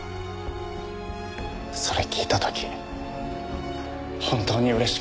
それ聞いた時本当に嬉しかったな。